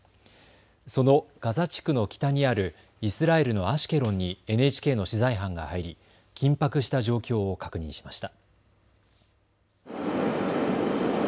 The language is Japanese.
そのガザ地区の北にあるイスラエルのアシュケロンにＮＨＫの取材班が入り緊迫した状況を確認しました。